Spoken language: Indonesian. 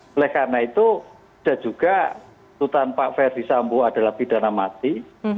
oleh karena itu sudah juga tutan pak verdi sambu adalah pidana mati